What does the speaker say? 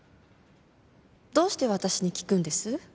どうして私に訊くんです？